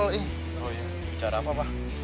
bicara apa pak